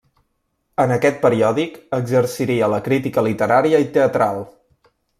En aquest periòdic exerciria la crítica literària i teatral.